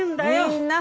みんな。